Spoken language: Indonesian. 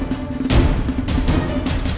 jangan jangan jangan jangan